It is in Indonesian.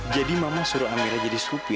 jadi mama suruh amirah jadi sopir